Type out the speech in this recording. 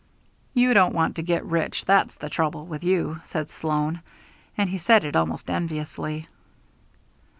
'" "You don't want to get rich, that's the trouble with you," said Sloan, and he said it almost enviously.